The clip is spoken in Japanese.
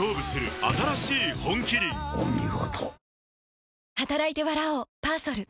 お見事。